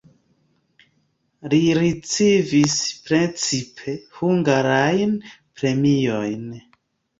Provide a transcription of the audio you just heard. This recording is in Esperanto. Li ricevis precipe hungarajn premiojn.